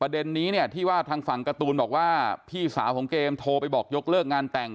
นี้เนี่ยที่ว่าทางฝั่งการ์ตูนบอกว่าพี่สาวของเกมโทรไปบอกยกเลิกงานแต่ง